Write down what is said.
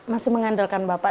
masih mengandalkan bapak